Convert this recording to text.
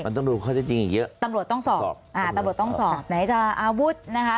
มันต้องดูข้อเท็จจริงอีกเยอะตำรวจต้องสอบอ่าตำรวจต้องสอบไหนจะอาวุธนะคะ